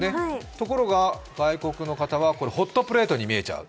ところが、外国の方はホットプレートに見えちゃう。